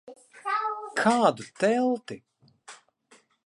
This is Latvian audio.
Kādu telti?